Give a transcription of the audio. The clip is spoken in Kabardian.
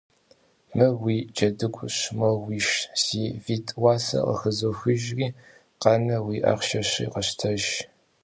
Мыр уи джэдыгущ, мор уишщ, си витӀ уасэр къыхызохыжри, къанэр уи ахъшэщи къэщтэж.